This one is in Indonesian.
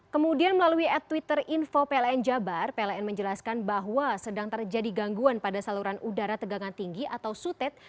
kemudian melalui at twitter info pln jabar pln menjelaskan bahwa sedang terjadi gangguan pada saluran udara tegangan tinggi atau sutet